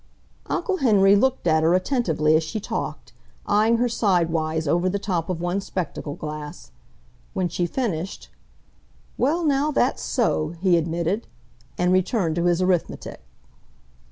Uncle Henry looked at her attentively as she talked, eyeing her sidewise over the top of one spectacle glass. When she finished—"Well, now, that's so," he admitted, and returned to his arithmetic.